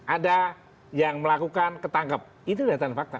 ada yang melakukan ketangkep itu data dan fakta